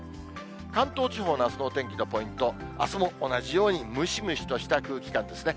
関東地方のあすのお天気のポイント、あすも同じようにムシムシとした空気感なんですね。